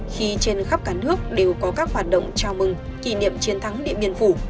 khi trên khắp cả nước đều có các hoạt động chào mừng kỷ niệm chiến thắng điện biên phủ